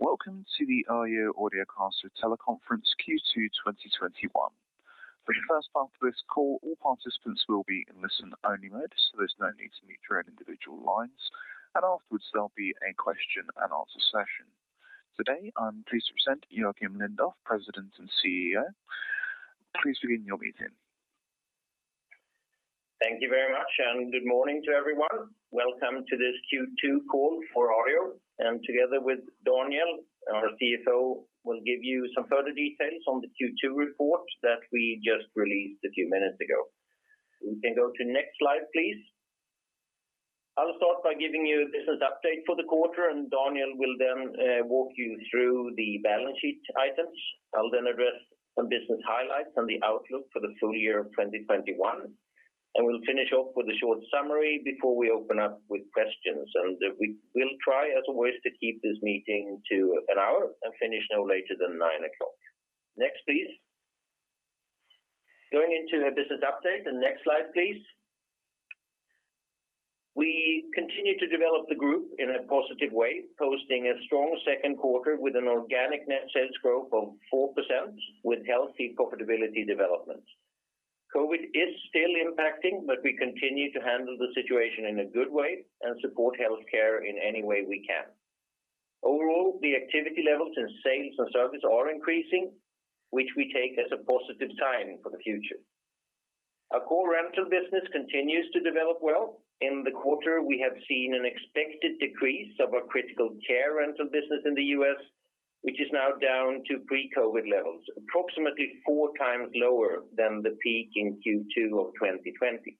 Welcome to the Arjo audiocast teleconference Q2 2021. For the first part of this call, all participants will be in listen-only mode, so there's no need to mute your own individual lines. Afterwards, there'll be a question and answer session. Today, I'm pleased to present Joacim Lindoff, President and CEO. Please begin your meeting. Thank you very much, and good morning to everyone. Welcome to this Q2 call for Arjo, and together with Daniel, our CFO, we'll give you some further details on the Q2 report that we just released a few minutes ago. We can go to next slide, please. I'll start by giving you a business update for the quarter, and Daniel will then walk you through the balance sheet items. I'll then address some business highlights and the outlook for the full year of 2021, and we'll finish off with a short summary before we open up with questions. We'll try as always to keep this meeting to an hour and finish no later than 9:00 A.M. Next, please. Going into a business update. The next slide, please. We continue to develop the group in a positive way, posting a strong second quarter with an organic net sales growth of 4% with healthy profitability developments. COVID is still impacting, but we continue to handle the situation in a good way and support healthcare in any way we can. Overall, the activity levels in sales and service are increasing, which we take as a positive sign for the future. Our core rental business continues to develop well. In the quarter, we have seen an expected decrease of our critical care rental business in the U.S., which is now down to pre-COVID levels, approximately four times lower than the peak in Q2 of 2020.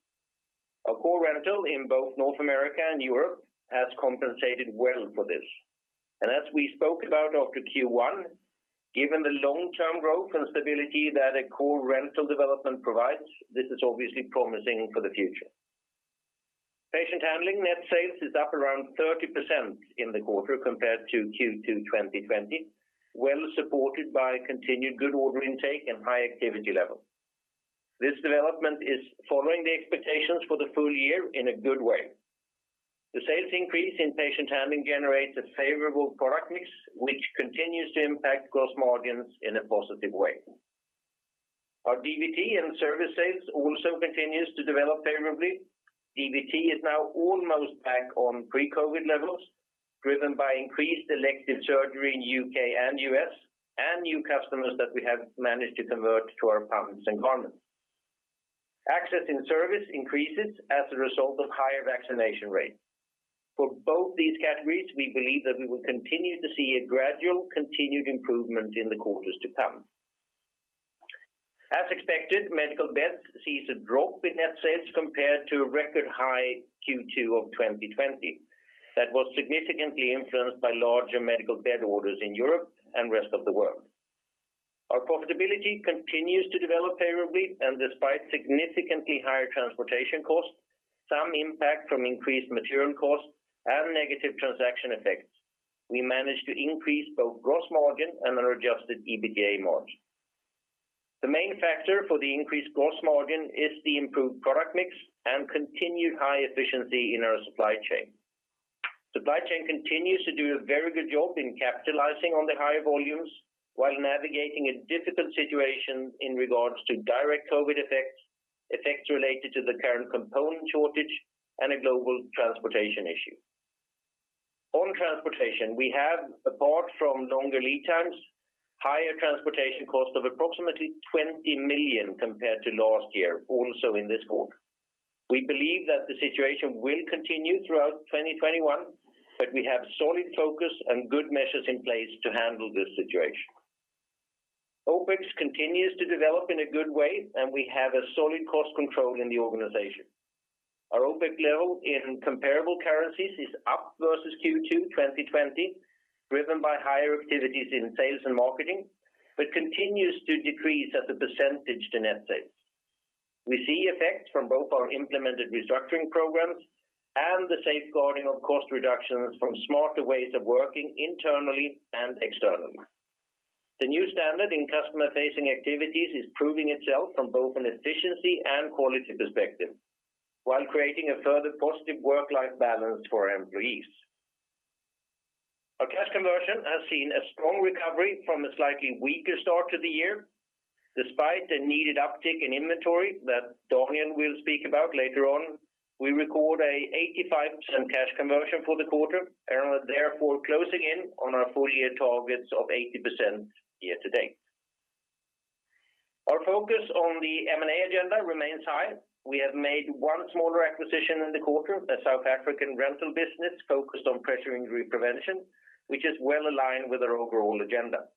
Our core rental in both North America and Europe has compensated well for this. As we spoke about after Q1, given the long-term growth and stability that a core rental development provides, this is obviously promising for the future. patient handling net sales is up around 30% in the quarter compared to Q2 2020, well supported by continued good order intake and high activity level. This development is following the expectations for the full year in a good way. The sales increase in patient handling generates a favorable product mix, which continues to impact gross margins in a positive way. Our DVT and service sales also continues to develop favorably. DVT is now almost back on pre-COVID levels, driven by increased elective surgery in U.K. and U.S. and new customers that we have managed to convert to our pumps and garments. Access in service increases as a result of higher vaccination rates. For both these categories, we believe that we will continue to see a gradual continued improvement in the quarters to come. As expected, Medical Beds sees a drop in net sales compared to a record high Q2 2020. That was significantly influenced by larger medical bed orders in Europe and rest of the world. Our profitability continues to develop favorably, and despite significantly higher transportation costs, some impact from increased material costs, and negative transaction effects, we managed to increase both gross margin and our adjusted EBITDA margin. The main factor for the increased gross margin is the improved product mix and continued high efficiency in our supply chain. Supply chain continues to do a very good job in capitalizing on the higher volumes while navigating a difficult situation in regards to direct COVID effects related to the current component shortage, and a global transportation issue. On transportation, we have, apart from longer lead times, higher transportation cost of approximately 20 million compared to last year, also in this quarter. We believe that the situation will continue throughout 2021. We have solid focus and good measures in place to handle this situation. OpEx continues to develop in a good way. We have a solid cost control in the organization. Our OpEx level in comparable currencies is up versus Q2 2020, driven by higher activities in sales and marketing, but continues to decrease as a percentage to net sales. We see effects from both our implemented restructuring programs and the safeguarding of cost reductions from smarter ways of working internally and externally. The new standard in customer-facing activities is proving itself from both an efficiency and quality perspective while creating a further positive work-life balance for our employees. Our cash conversion has seen a strong recovery from a slightly weaker start to the year. Despite a needed uptick in inventory that Daniel will speak about later on, we record an 85% cash conversion for the quarter and are therefore closing in on our full-year targets of 80% year to date. Our focus on the M&A agenda remains high. We have made one smaller acquisition in the quarter, a South African rental business focused on pressure injury prevention, which is well aligned with our overall agenda.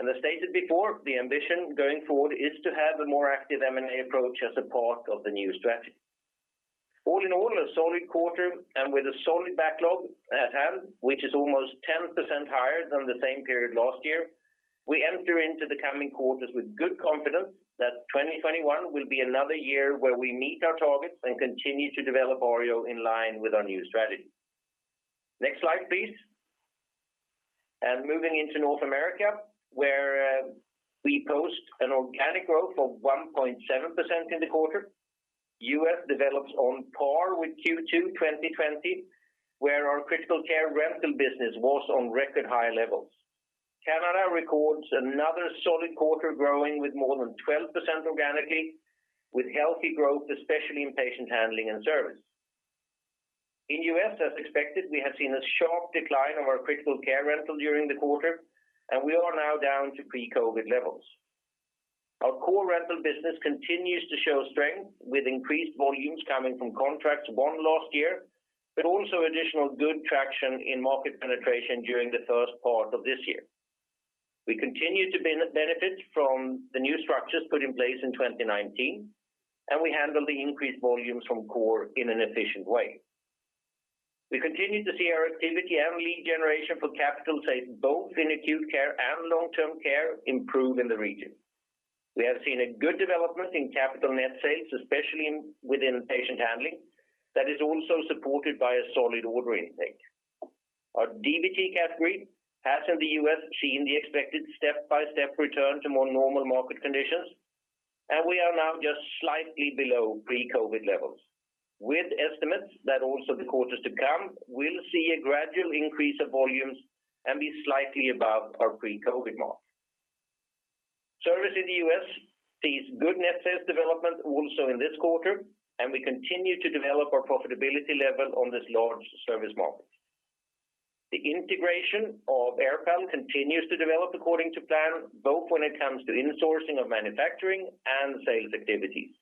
As stated before, the ambition going forward is to have a more active M&A approach as a part of the new strategy. All in all, a solid quarter and with a solid backlog at hand, which is almost 10% higher than the same period last year. We enter into the coming quarters with good confidence that 2021 will be another year where we meet our targets and continue to develop Arjo in line with our new strategy. Next slide, please. Moving into North America, where we post an organic growth of 1.7% in the quarter. U.S. develops on par with Q2 2020, where our critical care rental business was on record high levels. Canada records another solid quarter growing with more than 12% organically, with healthy growth, especially in patient handling and service. In U.S., as expected, we have seen a sharp decline of our critical care rental during the quarter, and we are now down to pre-COVID levels. Our core rental business continues to show strength with increased volumes coming from contracts won last year, but also additional good traction in market penetration during the first part of this year. We continue to benefit from the new structures put in place in 2019, and we handle the increased volumes from core in an efficient way. We continue to see our activity and lead generation for capital sales both in acute care and long-term care improve in the region. We have seen a good development in capital net sales, especially within patient handling, that is also supported by a solid order intake. Our DVT category has, in the U.S., seen the expected step-by-step return to more normal market conditions, and we are now just slightly below pre-COVID levels, with estimates that also the quarters to come will see a gradual increase of volumes and be slightly above our pre-COVID mark. Service in the U.S. sees good net sales development also in this quarter, and we continue to develop our profitability level on this large service market. The integration of Airpal continues to develop according to plan, both when it comes to insourcing of manufacturing and sales activities.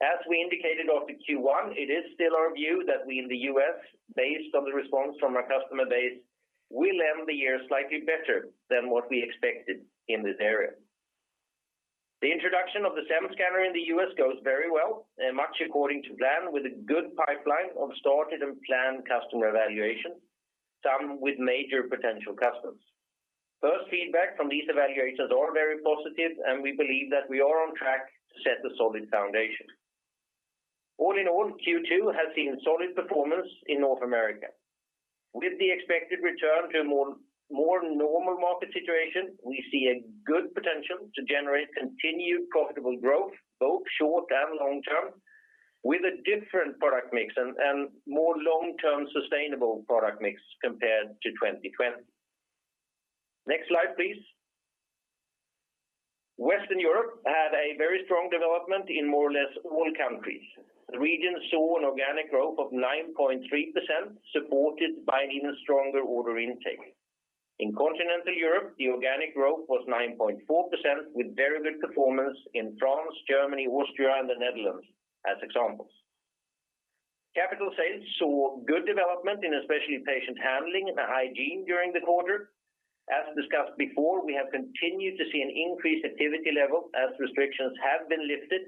As we indicated after Q1, it is still our view that we in the U.S., based on the response from our customer base, will end the year slightly better than what we expected in this area. The introduction of the SEM scanner in the U.S. goes very well and much according to plan with a good pipeline of started and planned customer evaluations, some with major potential customers. First feedback from these evaluations are very positive, and we believe that we are on track to set a solid foundation. All in all, Q2 has seen solid performance in North America. With the expected return to a more normal market situation, we see a good potential to generate continued profitable growth, both short and long-term, with a different product mix and more long-term sustainable product mix compared to 2020. Next slide, please. Western Europe had a very strong development in more or less all countries. The region saw an organic growth of 9.3%, supported by even stronger order intake. In Continental Europe, the organic growth was 9.4%, with very good performance in France, Germany, Austria, and the Netherlands as examples. Capital sales saw good development in especially patient handling and hygiene during the quarter. As discussed before, we have continued to see an increased activity level as restrictions have been lifted,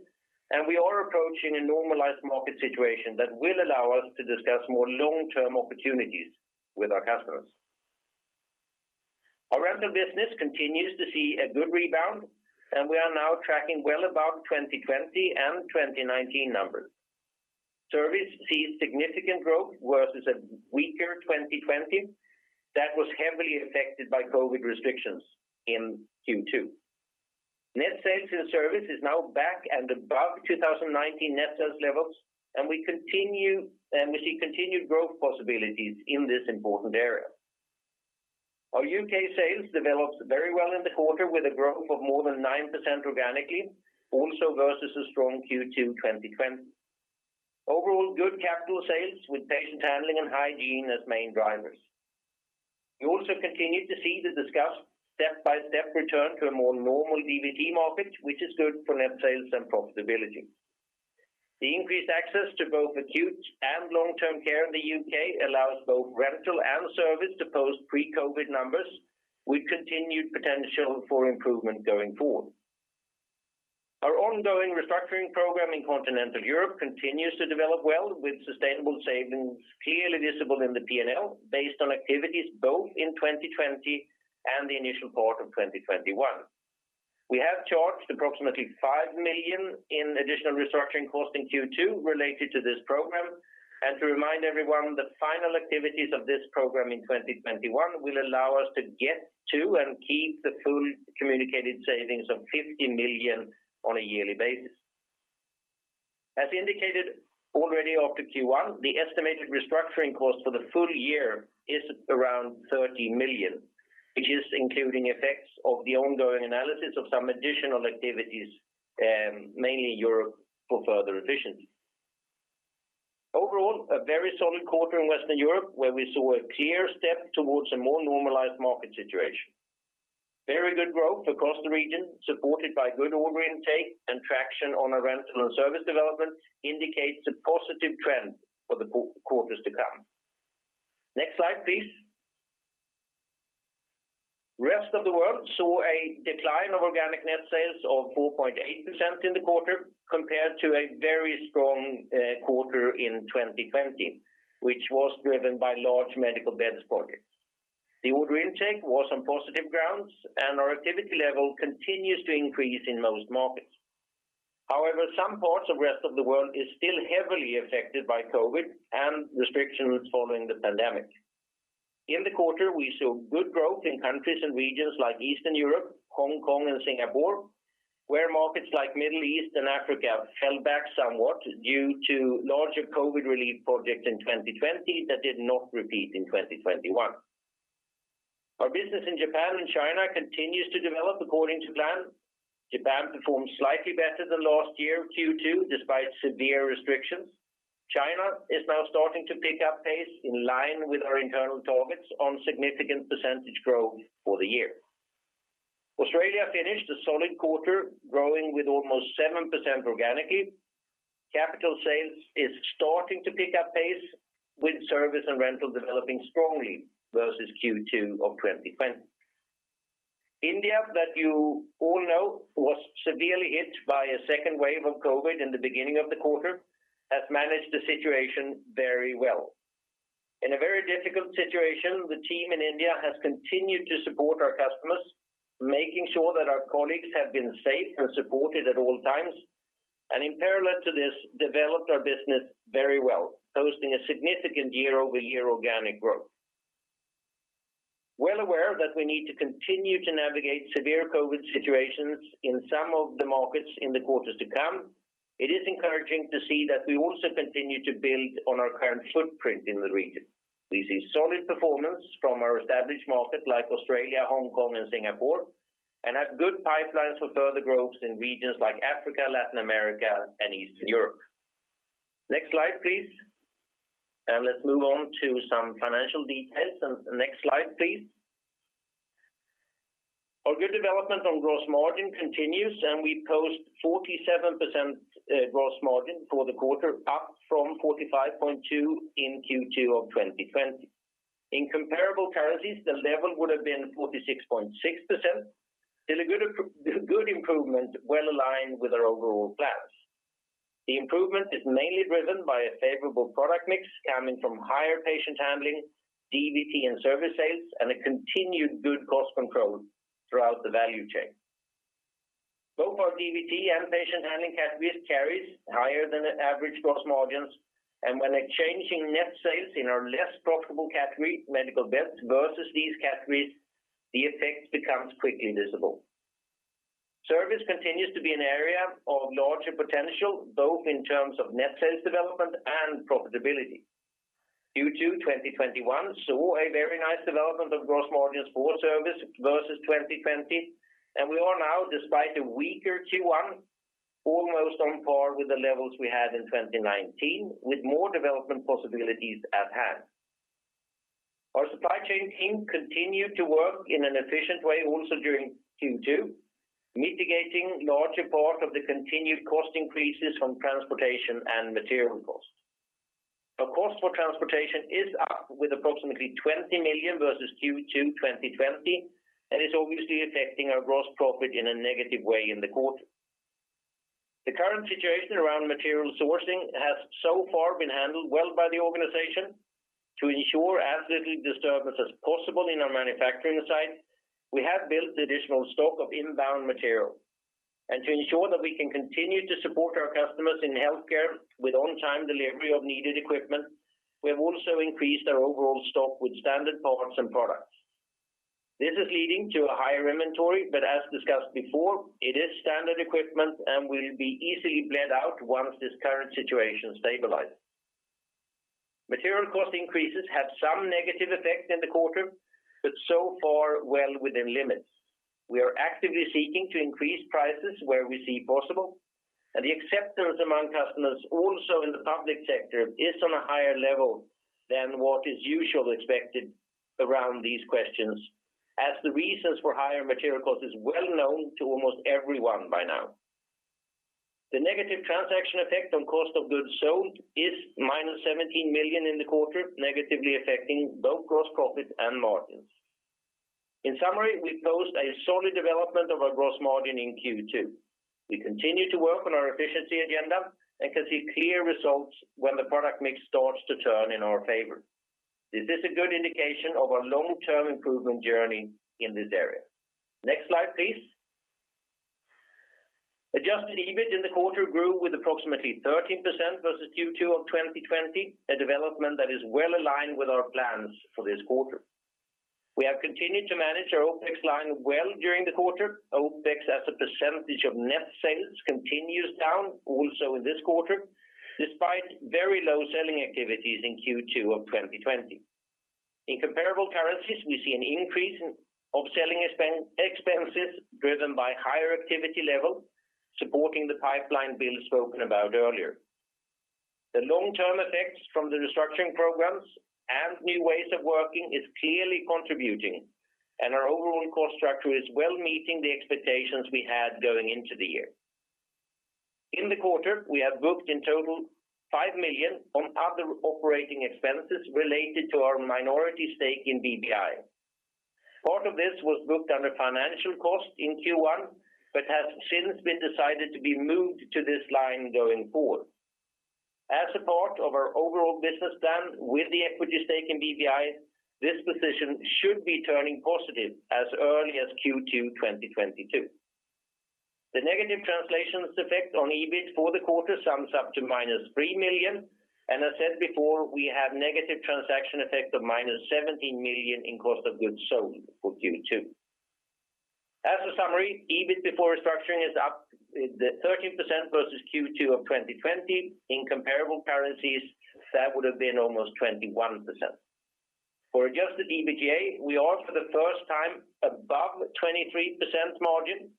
and we are approaching a normalized market situation that will allow us to discuss more long-term opportunities with our customers. Our rental business continues to see a good rebound, and we are now tracking well above 2020 and 2019 numbers. Service sees significant growth versus a weaker 2020 that was heavily affected by COVID restrictions in Q2. Net sales to service is now back and above 2019 net sales levels, and we see continued growth possibilities in this important area. Our U.K. sales developed very well in the quarter with a growth of more than 9% organically, also versus a strong Q2 2020. Overall good capital sales with patient handling and hygiene as main drivers. We also continue to see the discussed step-by-step return to a more normal DVT market, which is good for net sales and profitability. The increased access to both acute and long-term care in the U.K. allows both rental and service to post pre-COVID numbers with continued potential for improvement going forward. Our ongoing restructuring program in Continental Europe continues to develop well with sustainable savings clearly visible in the P&L based on activities both in 2020 and the initial part of 2021. We have charged approximately 5 million in additional restructuring costs in Q2 related to this program. To remind everyone, the final activities of this program in 2021 will allow us to get to and keep the full communicated savings of 50 million on a yearly basis. As indicated already after Q1, the estimated restructuring cost for the full year is around 30 million, which is including effects of the ongoing analysis of some additional activities, mainly in Europe, for further efficiency. Overall, a very solid quarter in Western Europe where we saw a clear step towards a more normalized market situation. Very good growth across the region, supported by good order intake and traction on our rental and service development indicates a positive trend for the quarters to come. Next slide, please. Rest of the world saw a decline of organic net sales of 4.8% in the quarter compared to a very strong quarter in 2020, which was driven by large Medical Beds projects. The order intake was on positive grounds, and our activity level continues to increase in most markets. However, some parts of rest of the world is still heavily affected by COVID and restrictions following the pandemic. In the quarter, we saw good growth in countries and regions like Eastern Europe, Hong Kong, and Singapore, where markets like Middle East and Africa fell back somewhat due to larger COVID relief projects in 2020 that did not repeat in 2021. Our business in Japan and China continues to develop according to plan. Japan performed slightly better than last year Q2 despite severe restrictions. China is now starting to pick up pace in line with our internal targets on significant percentage growth for the year. Australia finished a solid quarter growing with almost 7% organically. Capital sales is starting to pick up pace with service and rental developing strongly versus Q2 of 2020. India, that you all know, was severely hit by a second wave of COVID in the beginning of the quarter, has managed the situation very well. In a very difficult situation, the team in India has continued to support our customers, making sure that our colleagues have been safe and supported at all times, and in parallel to this, developed our business very well, posting a significant year-over-year organic growth. Well aware that we need to continue to navigate severe COVID situations in some of the markets in the quarters to come, it is encouraging to see that we also continue to build on our current footprint in the region. We see solid performance from our established markets like Australia, Hong Kong, and Singapore, have good pipelines for further growth in regions like Africa, Latin America, and Eastern Europe. Next slide, please. Let's move on to some financial details. Next slide, please. Our good development on gross margin continues. We post 47% gross margin for the quarter, up from 45.2 in Q2 2020. In comparable currencies, the level would've been 46.6%, still a good improvement well aligned with our overall plans. The improvement is mainly driven by a favorable product mix coming from higher patient handling, DVT, and service sales and a continued good cost control throughout the value chain. Both our DVT and patient handling categories carries higher than the average gross margins, and when a change in net sales in our less profitable category, Medical Beds, versus these categories, the effect becomes quickly visible. Service continues to be an area of larger potential, both in terms of net sales development and profitability. Q2 2021 saw a very nice development of gross margins for service versus 2020, and we are now, despite a weaker Q1, almost on par with the levels we had in 2019 with more development possibilities at hand. Our supply chain team continued to work in an efficient way also during Q2, mitigating larger part of the continued cost increases from transportation and material costs. Our cost for transportation is up with approximately 20 million versus Q2 2020. It's obviously affecting our gross profit in a negative way in the quarter. The current situation around material sourcing has so far been handled well by the organization. To ensure as little disturbance as possible in our manufacturing site, we have built additional stock of inbound material. To ensure that we can continue to support our customers in healthcare with on-time delivery of needed equipment, we have also increased our overall stock with standard parts and products. This is leading to a higher inventory, but as discussed before, it is standard equipment and will be easily bled out once this current situation stabilizes. Material cost increases have some negative effect in the quarter, but so far well within limits. We are actively seeking to increase prices where we see possible, the acceptance among customers also in the public sector is on a higher level than what is usually expected around these questions, as the reasons for higher material cost is well known to almost everyone by now. The negative transaction effect on cost of goods sold is -17 million in the quarter, negatively affecting both Gross Profit and margins. In summary, we post a solid development of our gross margin in Q2. We continue to work on our efficiency agenda and can see clear results when the product mix starts to turn in our favor. This is a good indication of our long-term improvement journey in this area. Next slide, please. Adjusted EBIT in the quarter grew with approximately 13% versus Q2 of 2020, a development that is well aligned with our plans for this quarter. We have continued to manage our OpEx line well during the quarter. OpEx as a % of net sales continues down also in this quarter, despite very low selling activities in Q2 2020. In comparable currencies, we see an increase of selling expenses driven by higher activity level supporting the pipeline build spoken about earlier. The long-term effects from the restructuring programs and new ways of working is clearly contributing, and our overall cost structure is well meeting the expectations we had going into the year. In the quarter, we have booked in total 5 million on other operating expenses related to our minority stake in BBI. Part of this was booked under financial cost in Q1 but has since been decided to be moved to this line going forward. As a part of our overall business plan with the equity stake in BBI, this position should be turning positive as early as Q2 2022. The negative translations effect on EBIT for the quarter sums up to -3 million. As said before, we have negative transaction effect of -17 million in cost of goods sold for Q2. As a summary, EBIT before restructuring is up 13% versus Q2 of 2020. In comparable currencies, that would've been almost 21%. For adjusted EBITDA, we are for the first time above 23% margin,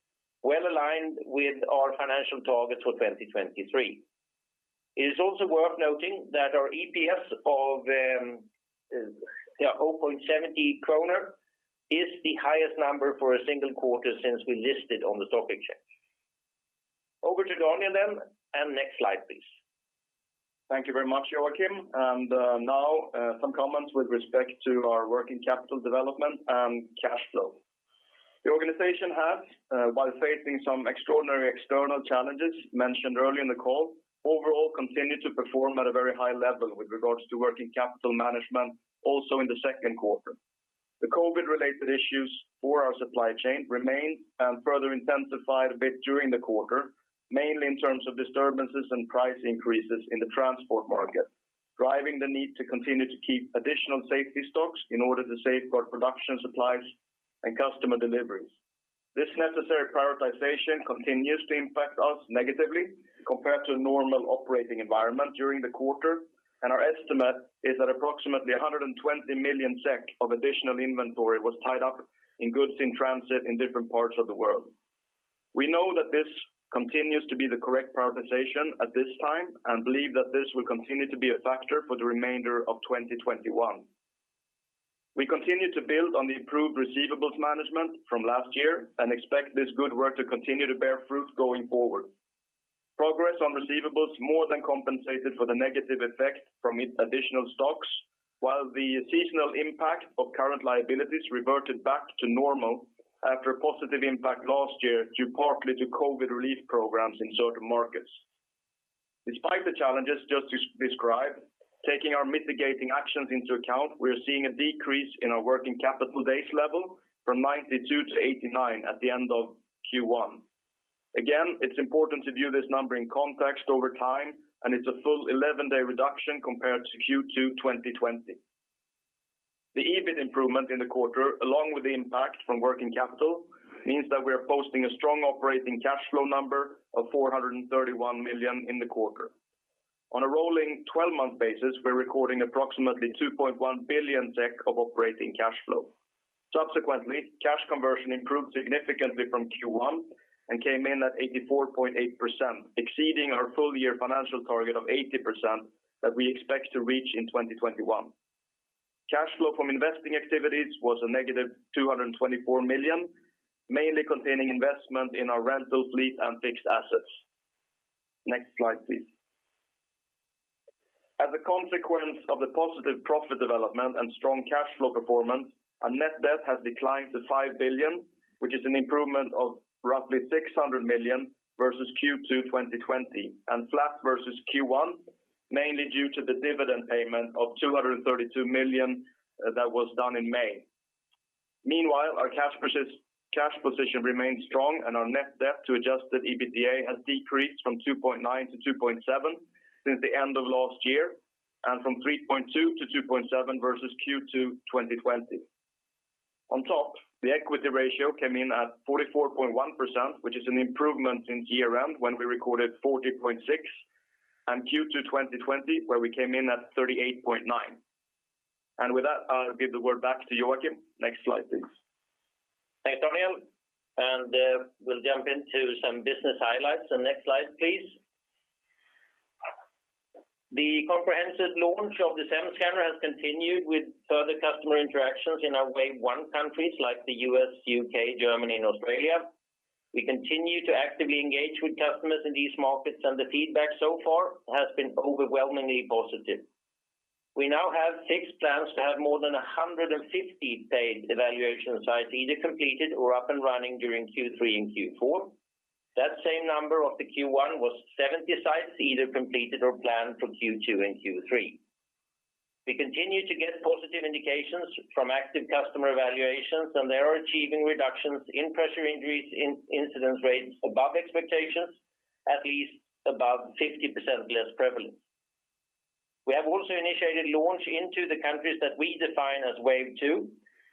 well aligned with our financial targets for 2023. It is also worth noting that our EPS of 0.70 kronor is the highest number for a single quarter since we listed on the stock exchange. Over to Daniel, next slide, please. Thank you very much, Joacim. Now some comments with respect to our working capital development and cash flow. The organization has, while facing some extraordinary external challenges mentioned earlier in the call, overall continued to perform at a very high level with regards to working capital management also in the second quarter. The COVID-related issues for our supply chain remained and further intensified a bit during the quarter, mainly in terms of disturbances and price increases in the transport market, driving the need to continue to keep additional safety stocks in order to safeguard production supplies and customer deliveries. This necessary prioritization continues to impact us negatively compared to a normal operating environment during the quarter. Our estimate is that approximately 120 million SEK of additional inventory was tied up in goods in transit in different parts of the world. We know that this continues to be the correct prioritization at this time and believe that this will continue to be a factor for the remainder of 2021. We continue to build on the improved receivables management from last year and expect this good work to continue to bear fruit going forward. Progress on receivables more than compensated for the negative effect from additional stocks, while the seasonal impact of current liabilities reverted back to normal after a positive impact last year, due partly to COVID relief programs in certain markets. Despite the challenges just described, taking our mitigating actions into account, we're seeing a decrease in our working capital days level from 92 to 89 at the end of Q1. Again, it's important to view this number in context over time, and it's a full 11-day reduction compared to Q2 2020. The EBIT improvement in the quarter, along with the impact from working capital, means that we're posting a strong operating cash flow number of 431 million in the quarter. On a rolling 12-month basis, we're recording approximately 2.1 billion of operating cash flow. Subsequently, cash conversion improved significantly from Q1 and came in at 84.8%, exceeding our full-year financial target of 80% that we expect to reach in 2021. Cash flow from investing activities was a -224 million, mainly containing investment in our rental fleet and fixed assets. Next slide, please. As a consequence of the positive profit development and strong cash flow performance, our net debt has declined to 5 billion, which is an improvement of roughly 600 million versus Q2 2020, and flat versus Q1, mainly due to the dividend payment of 232 million that was done in May. Meanwhile, our cash position remains strong, and our net debt to adjusted EBITDA has decreased from 2.9 to 2.7 since the end of last year, and from 3.2 to 2.7 versus Q2 2020. On top, the equity ratio came in at 44.1%, which is an improvement in year-end when we recorded 40.6%, and Q2 2020, where we came in at 38.9%. With that, I'll give the word back to Joacim. Next slide, please. Hey, Daniel. We'll jump into some business highlights. The next slide, please. The comprehensive launch of the SEM scanner has continued with further customer interactions in our wave-one countries like the U.S., U.K., Germany, and Australia. We continue to actively engage with customers in these markets, and the feedback so far has been overwhelmingly positive. We now have six plans to have more than 150 paid evaluation sites either completed or up and running during Q3 and Q4. That same number of the Q1 was 70 sites either completed or planned for Q2 and Q3. We continue to get positive indications from active customer evaluations, and they are achieving reductions in pressure injuries incidence rates above expectations, at least above 50% less prevalent. We have also initiated launch into the countries that we define as wave two,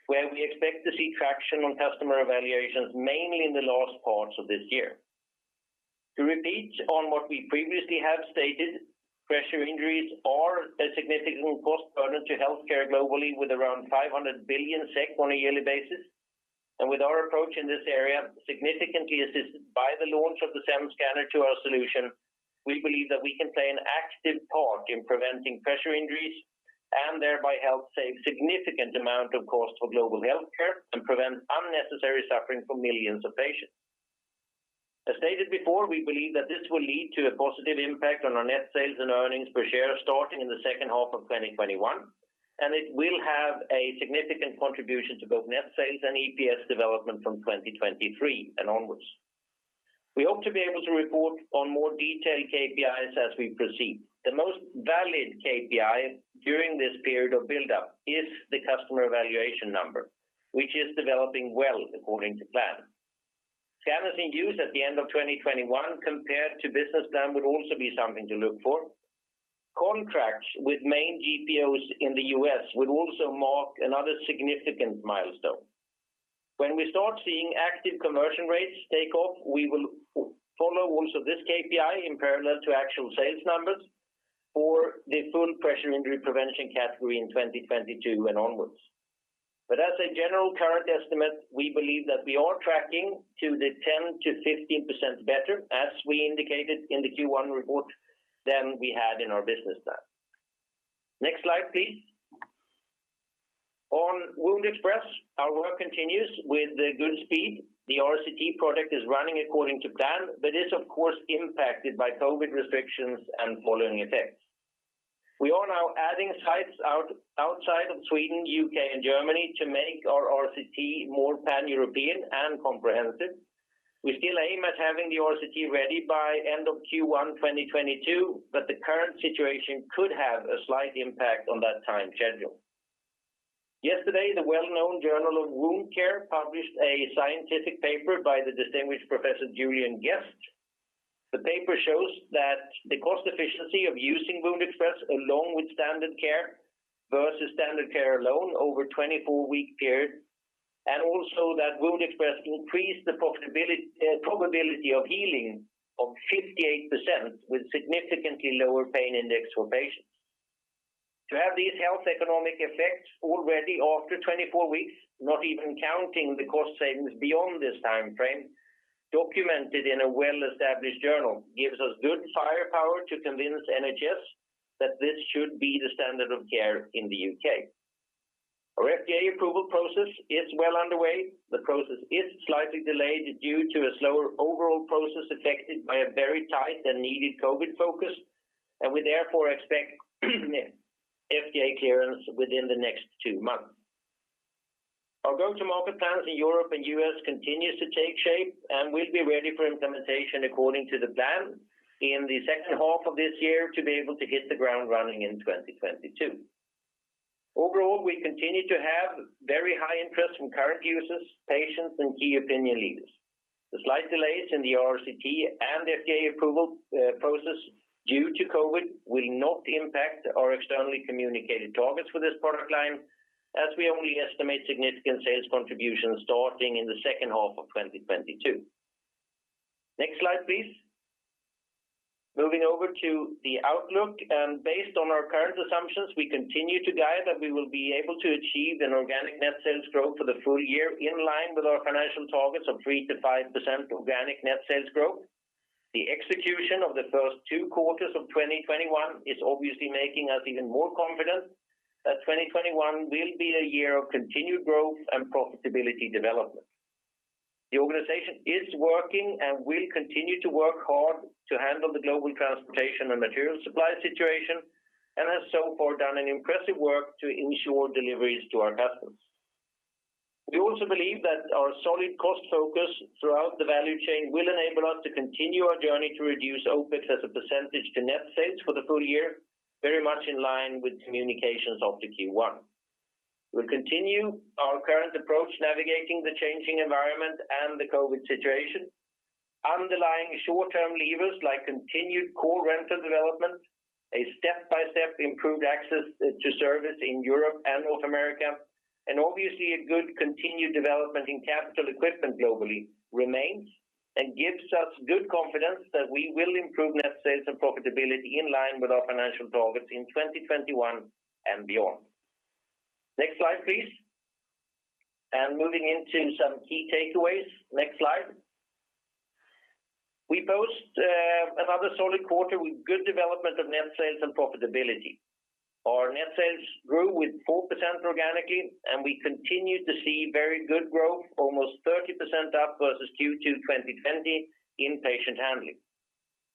where we expect to see traction on customer evaluations mainly in the last quarters of this year. To repeat on what we previously have stated, pressure injuries are a significant cost burden to healthcare globally, with around 500 billion SEK on a yearly basis. With our approach in this area significantly assisted by the launch of the SEM scanner to our solution, we believe that we can play an active part in preventing pressure injuries and thereby help save significant amount of cost for global healthcare and prevent unnecessary suffering for millions of patients. As stated before, we believe that this will lead to a positive impact on our net sales and earnings per share starting in the second half of 2021, and it will have a significant contribution to both net sales and EPS development from 2023 and onwards. We hope to be able to report on more detailed KPIs as we proceed. The most valid KPI during this period of buildup is the customer evaluation number, which is developing well according to plan. Scanners in use at the end of 2021 compared to business plan would also be something to look for. Contracts with main GPOs in the U.S. would also mark another significant milestone. When we start seeing active conversion rates take off, we will follow also this KPI in parallel to actual sales numbers for the full pressure injury prevention category in 2022 and onwards. As a general current estimate, we believe that we are tracking to the 10%-15% better, as we indicated in the Q1 report, than we had in our business plan. Next slide, please. On WoundExpress, our work continues with good speed. The RCT project is running according to plan, but is of course impacted by COVID restrictions and following effects. We are now adding sites outside of Sweden, U.K., and Germany to make our RCT more pan-European and comprehensive. We still aim at having the RCT ready by end of Q1 2022, but the current situation could have a slight impact on that time schedule. Yesterday, the well-known Journal of Wound Care published a scientific paper by the distinguished Professor Julian Guest. The paper shows that the cost efficiency of using WoundExpress along with standard care versus standard care alone over a 24-week period, and also that WoundExpress increased the probability of healing of 58% with significantly lower pain index for patients. To have these health economic effects already after 24 weeks, not even counting the cost savings beyond this timeframe, documented in a well-established journal, gives us good firepower to convince NHS that this should be the standard of care in the U.K. Our FDA approval process is well underway. The process is slightly delayed due to a slower overall process affected by a very tight and needed COVID focus. We therefore expect FDA clearance within the next two months. Our go-to-market plans in Europe and U.S. continue to take shape. We'll be ready for implementation according to the plan in the second half of this year to be able to hit the ground running in 2022. Overall, we continue to have very high interest from current users, patients, and key opinion leaders. The slight delays in the RCT and FDA approval process due to COVID will not impact our externally communicated targets for this product line, as we only estimate significant sales contributions starting in the second half of 2022. Next slide, please. Moving over to the outlook, based on our current assumptions, we continue to guide that we will be able to achieve an organic net sales growth for the full year in line with our financial targets of 3%-5% organic net sales growth. The execution of the first two quarters of 2021 is obviously making us even more confident that 2021 will be a year of continued growth and profitability development. The organization is working and will continue to work hard to handle the global transportation and material supply situation and has so far done an impressive work to ensure deliveries to our customers. We also believe that our solid cost focus throughout the value chain will enable us to continue our journey to reduce OpEx as a percentage to net sales for the full year, very much in line with communications after Q1. We'll continue our current approach navigating the changing environment and the COVID situation. Underlying short-term levers, like continued core rental development, a step-by-step improved access to service in Europe and North America, obviously a good continued development in capital equipment globally remains and gives us good confidence that we will improve net sales and profitability in line with our financial targets in 2021 and beyond. Next slide, please. Moving into some key takeaways. Next slide. We post another solid quarter with good development of net sales and profitability. Our net sales grew with 4% organically, and we continued to see very good growth, almost 30% up versus Q2 2020 in patient handling.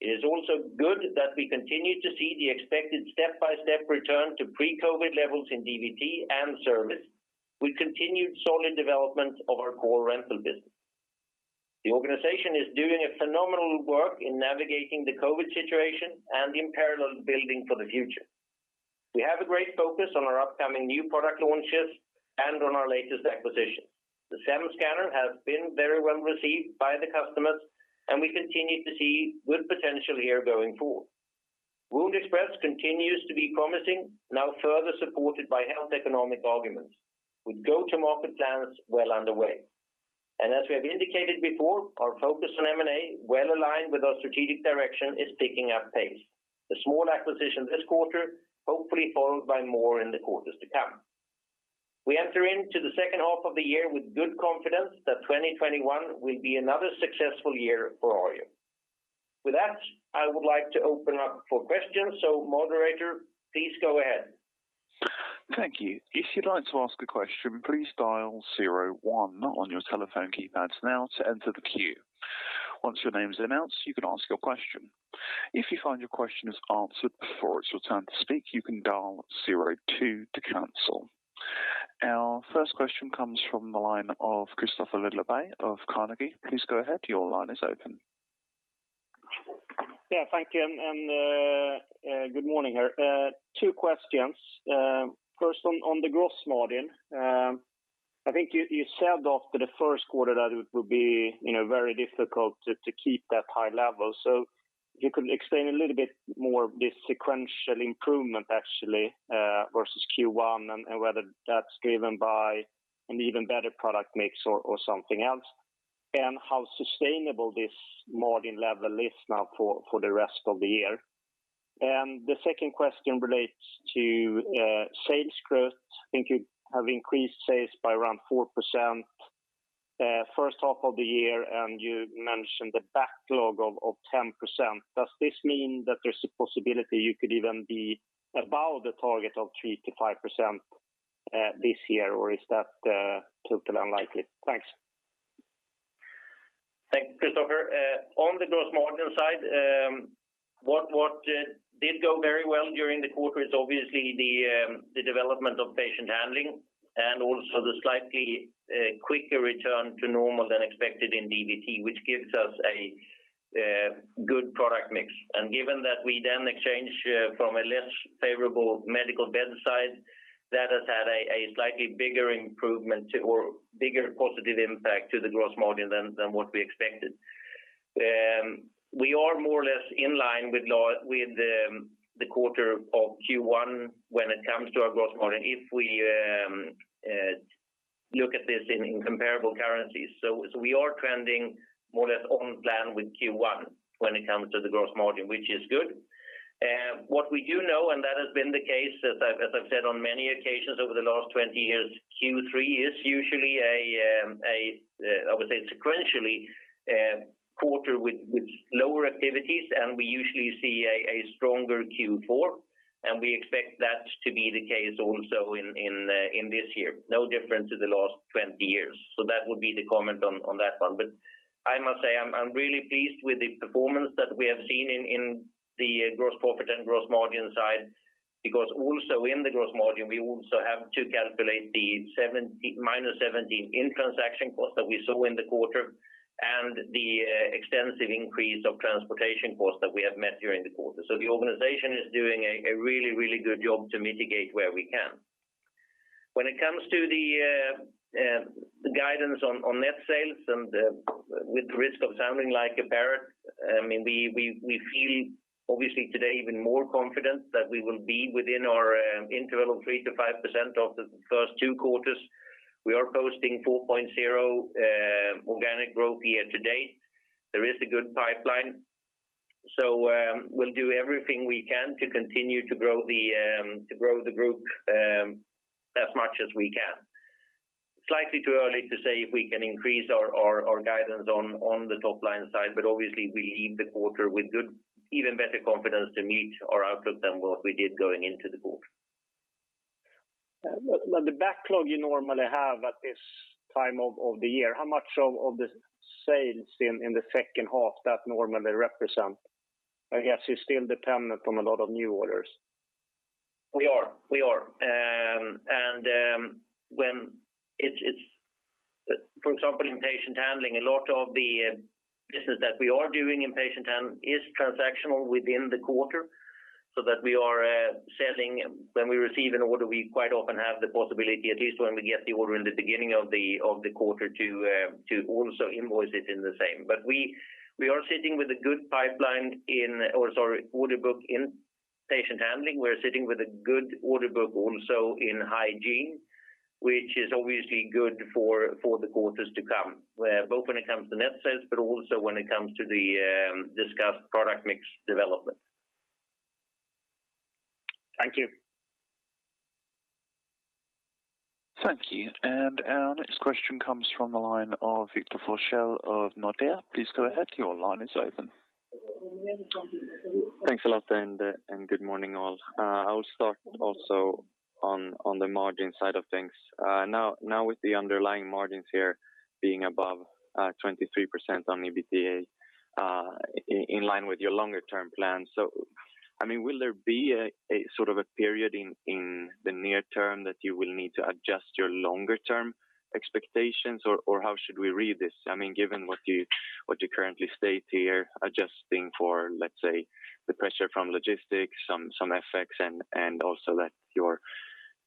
It is also good that we continue to see the expected step-by-step return to pre-COVID levels in DVT and service. We continued solid development of our core rental business. The organization is doing a phenomenal work in navigating the COVID situation and in parallel building for the future. We have a great focus on our upcoming new product launches and on our latest acquisition. The SEM scanner has been very well received by the customers, and we continue to see good potential here going forward. WoundExpress continues to be promising, now further supported by health economic arguments, with go-to-market plans well underway. As we have indicated before, our focus on M&A, well aligned with our strategic direction, is picking up pace. The small acquisition this quarter, hopefully followed by more in the quarters to come. We enter into the second half of the year with good confidence that 2021 will be another successful year for Arjo. With that, I would like to open up for questions. Moderator, please go ahead. Thank you. If you'd like to ask a question, please dial zero one on your telephone keypads now to enter the queue. Once your name is announced, you can ask your question. If you find your question is answered before it's your turn to speak, you can dial zero two to cancel. Our first question comes from the line of Kristofer Liljeberg of Carnegie. Please go ahead. Your line is open. Yeah, thank you. Good morning. Two questions. 1st, on the gross margin. I think you said after the 1st quarter that it would be very difficult to keep that high level. If you could explain a little bit more this sequential improvement actually versus Q1 and whether that's driven by an even better product mix or something else. How sustainable this margin level is now for the rest of the year. The second question relates to sales growth. I think you have increased sales by around 4% 1st half of the year, and you mentioned the backlog of 10%. Does this mean that there's a possibility you could even be above the target of 3%-5% this year, or is that totally unlikely? Thanks. Thanks, Kristofer. On the gross margin side, what did go very well during the quarter is obviously the development of patient handling and also the slightly quicker return to normal than expected in DVT, which gives us a good product mix. Given that we then exchange from a less favorable Medical Beds side, that has had a slightly bigger improvement or bigger positive impact to the gross margin than what we expected. We are more or less in line with the quarter of Q1 when it comes to our gross margin, if we look at this in comparable currencies. We are trending more or less on plan with Q1 when it comes to the gross margin, which is good. What we do know, that has been the case, as I've said on many occasions over the last 20 years, Q3 is usually a, I would say sequentially, quarter with lower activities, we usually see a stronger Q4, we expect that to be the case also in this year. No different to the last 20 years. That would be the comment on that one. I must say, I'm really pleased with the performance that we have seen in the Gross Profit and gross margin side, because also in the gross margin, we also have to calculate the -17 in transaction cost that we saw in the quarter and the extensive increase of transportation cost that we have met during the quarter. The organization is doing a really good job to mitigate where we can. When it comes to the guidance on net sales and with the risk of sounding like a parrot, we feel obviously today even more confident that we will be within our interval of 3%-5% of the first two quarters. We are posting 4.0 organic growth year-to-date. There is a good pipeline. We'll do everything we can to continue to grow the group as much as we can. Slightly too early to say if we can increase our guidance on the top-line side, but obviously we leave the quarter with even better confidence to meet our outlook than what we did going into the quarter. The backlog you normally have at this time of the year, how much of the sales in the second half that normally represent? I guess you're still dependent on a lot of new orders. We are. For example, in patient handling, a lot of the business that we are doing in patient handling is transactional within the quarter, so that we are selling. When we receive an order, we quite often have the possibility, at least when we get the order in the beginning of the quarter, to also invoice it in the same. We are sitting with a good order book in patient handling. We're sitting with a good order book also in hygiene, which is obviously good for the quarters to come, both when it comes to net sales, but also when it comes to the discussed product mix development. Thank you. Thank you. Our next question comes from the line of Victor Forssell of Nordea. Please go ahead. Your line is open. Thanks a lot, and good morning, all. I will start also on the margin side of things. With the underlying margins here being above 23% on EBITDA, in line with your longer-term plan. Will there be a period in the near term that you will need to adjust your longer-term expectations? How should we read this? Given what you currently state here, adjusting for, let's say, the pressure from logistics, some effects, and also that your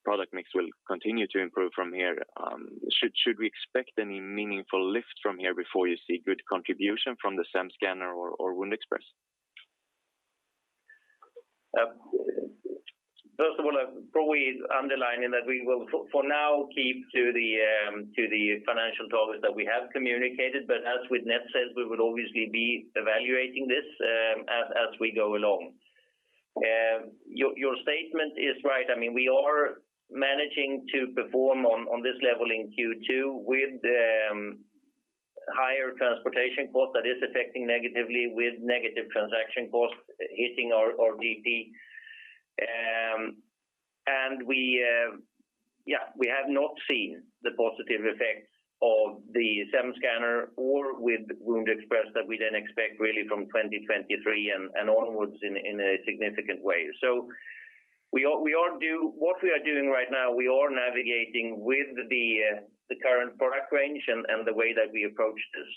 product mix will continue to improve from here. Should we expect any meaningful lift from here before you see good contribution from the SEM scanner or WoundExpress? First of all, I probably underline in that we will, for now, keep to the financial targets that we have communicated. As with net sales, we will obviously be evaluating this as we go along. Your statement is right. We are managing to perform on this level in Q2 with the higher transportation cost that is affecting negatively with negative transaction costs hitting our GP. We have not seen the positive effects of the SEM scanner or with WoundExpress that we then expect really from 2023 and onwards in a significant way. What we are doing right now, we are navigating with the current product range and the way that we approach this.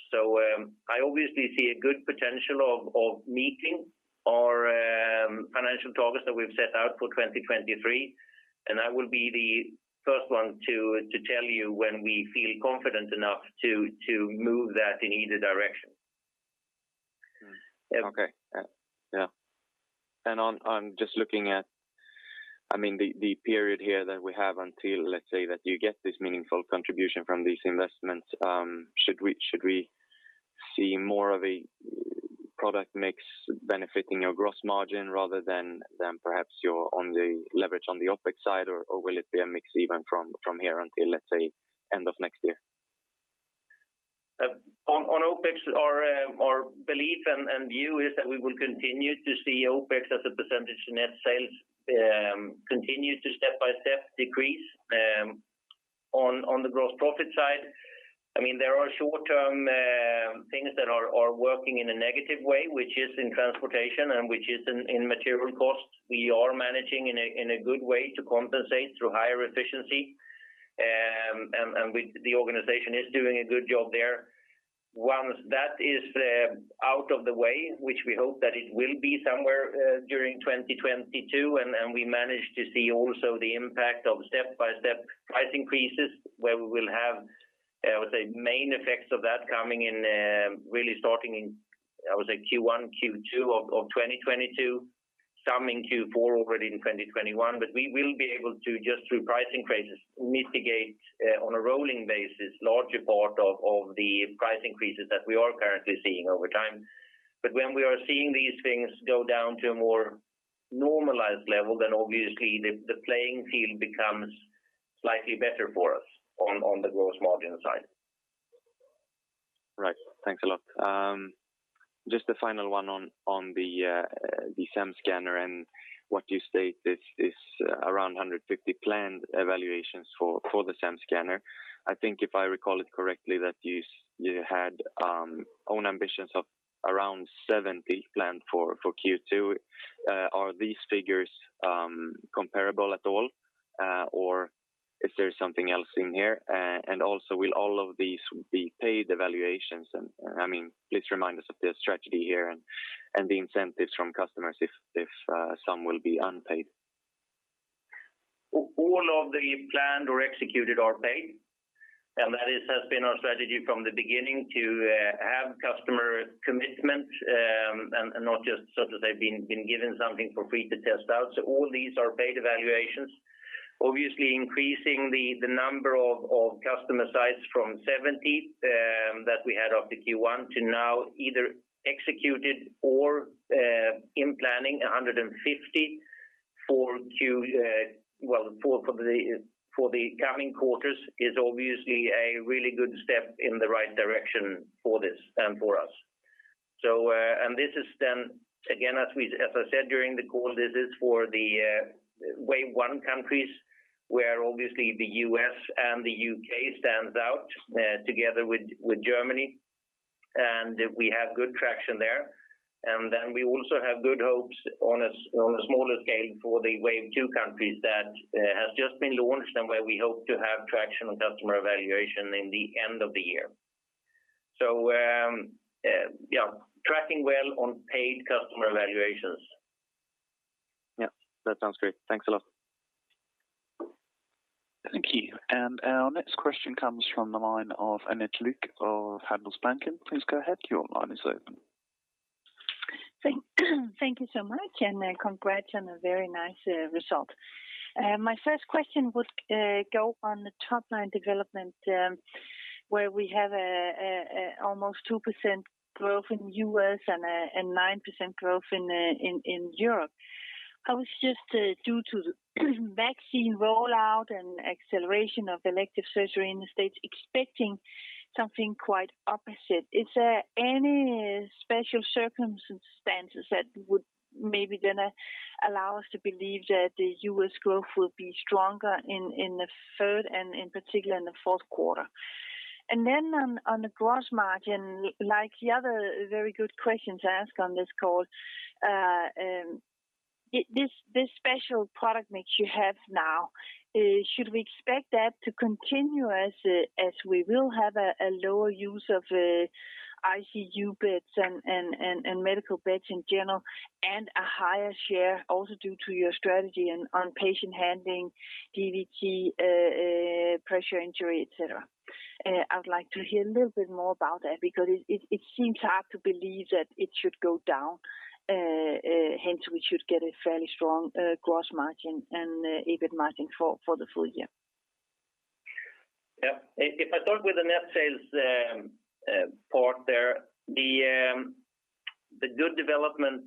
I obviously see a good potential of meeting our financial targets that we've set out for 2023, and I will be the first one to tell you when we feel confident enough to move that in either direction. Okay. Yeah. I'm just looking at the period here that we have until, let's say, that you get this meaningful contribution from these investments. Should we see more of a product mix benefiting your gross margin rather than perhaps your leverage on the OpEx side? Or will it be a mix even from here until, let's say, end of next year? On OpEx, our belief and view is that we will continue to see OpEx as a percentage of net sales continue to step by step decrease. On the gross profit side, there are short-term things that are working in a negative way, which is in transportation and which is in material costs. We are managing in a good way to compensate through higher efficiency, and the organization is doing a good job there. Once that is out of the way, which we hope that it will be somewhere during 2022, and we manage to see also the impact of step-by-step price increases, where we will have, I would say, main effects of that coming and really starting in, I would say Q1, Q2 of 2022. Some in Q4 already in 2021. We will be able to, just through price increases, mitigate on a rolling basis larger part of the price increases that we are currently seeing over time. When we are seeing these things go down to a more normalized level, then obviously the playing field becomes slightly better for us on the gross margin side. Right. Thanks a lot. Just the final one on the SEM scanner and what you state is around 150 planned evaluations for the SEM scanner. I think if I recall it correctly, that you had own ambitions of around 70 planned for Q2. Are these figures comparable at all, or is there something else in here? Also, will all of these be paid evaluations? Please remind us of the strategy here and the incentives from customers if some will be unpaid. All of the planned or executed are paid, that has been our strategy from the beginning to have customer commitment, and not just such that they've been given something for free to test out. All these are paid evaluations. Obviously increasing the number of customer sites from 70 that we had of the Q1 to now either executed or in planning 150 for the coming quarters is obviously a really good step in the right direction for this and for us. This is then, again, as I said during the call, this is for the wave one countries where obviously the U.S. and the U.K. stands out together with Germany. We have good traction there. We also have good hopes on a smaller scale for the wave two countries that has just been launched and where we hope to have traction on customer evaluation in the end of the year. Tracking well on paid customer evaluations. Yeah. That sounds great. Thanks a lot. Thank you. Our next question comes from the line of Anette Lund of Handelsbanken. Please go ahead. Your line is open. Thank you so much, and congrats on a very nice result. My first question would go on the top line development, where we have almost 2% growth in U.S. and a 9% growth in Europe. I was just, due to the vaccine rollout and acceleration of elective surgery in the States, expecting something quite opposite. Is there any special circumstances that would maybe then allow us to believe that the U.S. growth will be stronger in the third and in particular in the fourth quarter? Then on the gross margin, like the other very good questions asked on this call, this special product mix you have now, should we expect that to continue as we will have a lower use of ICU beds and Medical Beds in general and a higher share also due to your strategy on patient handling, DVT, pressure injury, et cetera? I would like to hear a little bit more about that because it seems hard to believe that it should go down, hence we should get a fairly strong gross margin and EBIT margin for the full year. Yeah. If I start with the net sales part there, the good development,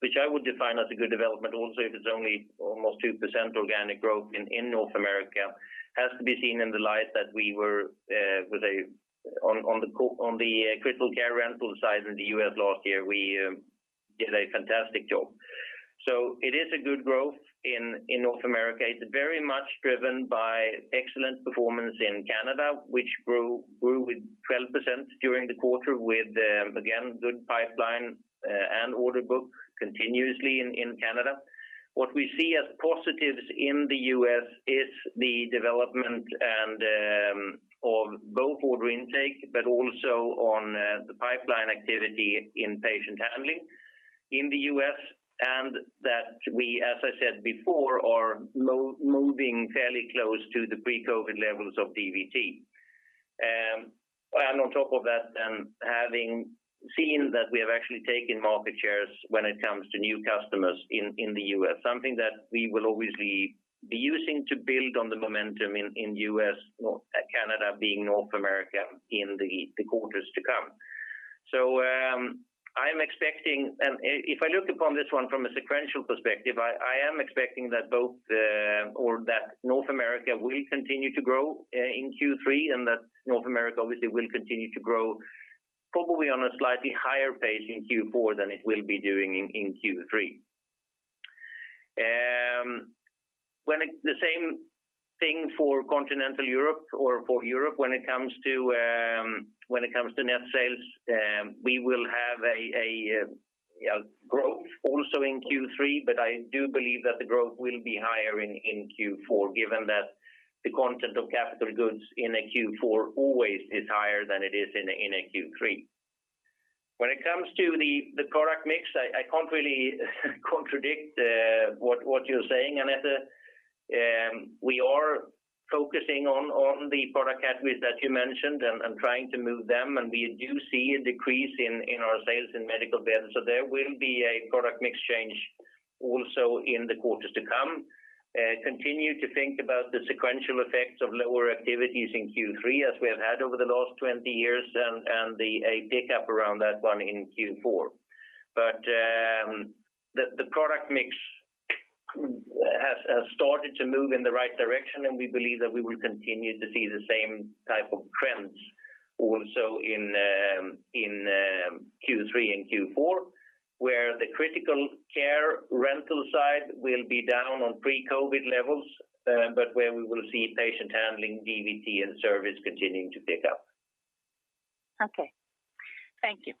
which I would define as a good development also if it's only almost 2% organic growth in North America, has to be seen in the light that on the critical care rental side in the U.S. last year, we did a fantastic job. It is a good growth in North America. It's very much driven by excellent performance in Canada, which grew with 12% during the quarter with, again, good pipeline and order book continuously in Canada. What we see as positives in the U.S. is the development and of both order intake, but also on the pipeline activity in patient handling in the U.S., and that we, as I said before, are moving fairly close to the pre-COVID levels of DVT. On top of that, then having seen that we have actually taken market shares when it comes to new customers in the U.S., something that we will obviously be using to build on the momentum in U.S., Canada, being North America in the quarters to come. I'm expecting, and if I look upon this one from a sequential perspective, I am expecting that both the, or that North America will continue to grow in Q3, and that North America obviously will continue to grow probably on a slightly higher pace in Q4 than it will be doing in Q3. The same thing for continental Europe or for Europe when it comes to net sales. We will have a growth also in Q3, I do believe that the growth will be higher in Q4, given that the content of capital goods in a Q4 always is higher than it is in a Q3. When it comes to the product mix, I can't really contradict what you're saying, Anette. We are focusing on the product categories that you mentioned and trying to move them, We do see a decrease in our sales in Medical Beds. There will be a product mix change also in the quarters to come. Continue to think about the sequential effects of lower activities in Q3 as we have had over the last 20 years and a pickup around that one in Q4. The product mix has started to move in the right direction, and we believe that we will continue to see the same type of trends also in Q3 and Q4, where the critical care rental side will be down on pre-COVID levels, but where we will see patient handling, DVT, and service continuing to pick up. Okay. Thank you.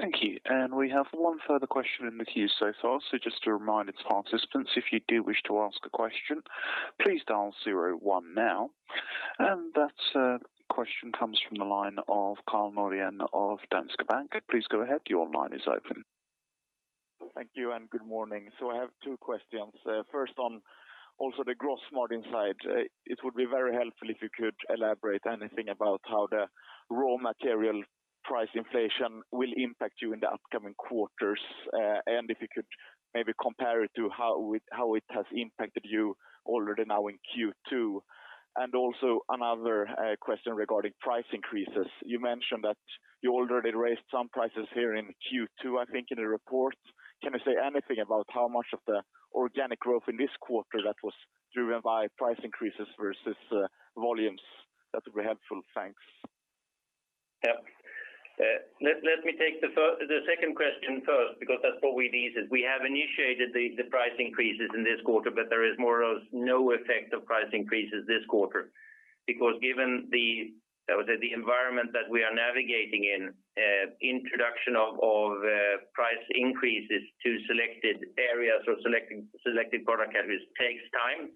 Thank you. We have one further question in the queue so far. Just to remind participants, if you do wish to ask a question, please dial zero one now. That question comes from the line of Karl Norén of Danske Bank. Please go ahead. Your line is open. Thank you, and good morning. I have two questions. First on also the gross margin side. It would be very helpful if you could elaborate anything about how the raw material price inflation will impact you in the upcoming quarters. If you could maybe compare it to how it has impacted you already now in Q2. Also another question regarding price increases. You mentioned that you already raised some prices here in Q2, I think, in the report. Can you say anything about how much of the organic growth in this quarter that was driven by price increases versus volumes? That would be helpful. Thanks. Yeah. Let me take the second question first because that's what we need. We have initiated the price increases in this quarter, there is more or less no effect of price increases this quarter. Given the environment that we are navigating in, introduction of price increases to selected areas or selected product categories takes time.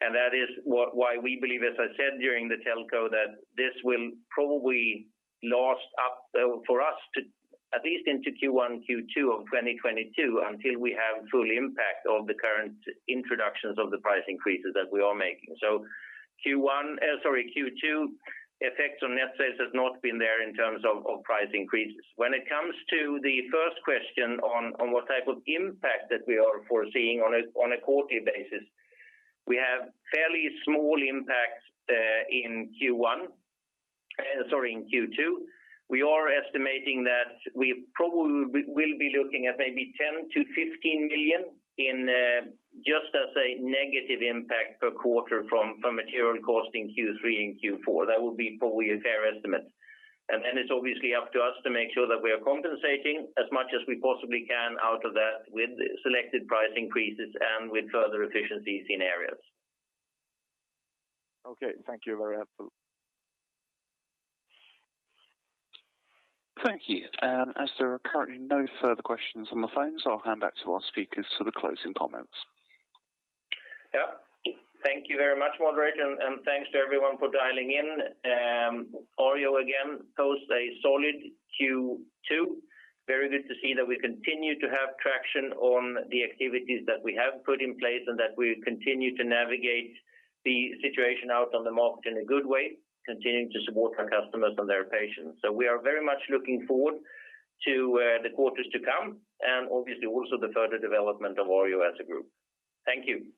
That is why we believe, as I said during the telco, that this will probably last up, for us to at least into Q1, Q2 of 2022, until we have full impact of the current introductions of the price increases that we are making. Q2 effects on net sales has not been there in terms of price increases. When it comes to the first question on what type of impact that we are foreseeing on a quarterly basis, we have fairly small impacts in Q2. We are estimating that we probably will be looking at maybe 10 million-15 million in just as a negative impact per quarter from material cost in Q3 and Q4. That will be probably a fair estimate. Then it's obviously up to us to make sure that we are compensating as much as we possibly can out of that with selected price increases and with further efficiencies in areas. Okay. Thank you very helpful. Thank you. As there are currently no further questions on the phones, I'll hand back to our speakers for the closing comments. Yeah. Thank you very much, moderator, and thanks to everyone for dialing in. Arjo again posts a solid Q2. Very good to see that we continue to have traction on the activities that we have put in place and that we continue to navigate the situation out on the market in a good way, continuing to support our customers and their patients. We are very much looking forward to the quarters to come, and obviously also the further development of Arjo as a group. Thank you.